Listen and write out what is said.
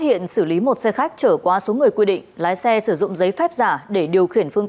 hiện xử lý một xe khách trở qua số người quy định lái xe sử dụng giấy phép giả để điều khiển phương